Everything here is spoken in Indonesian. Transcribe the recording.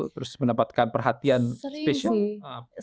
terus mendapatkan perhatian spesial